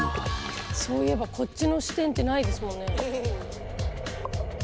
そういえばこっちの視点ってないですもんね。